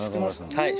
はい。